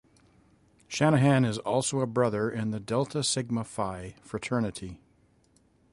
Shanahan is also a Brother in the Delta Sigma Phi Fraternity.